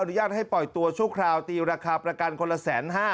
ญาตให้ปล่อยตัวชั่วคราวตีราคาประกันคนละ๑๕๐๐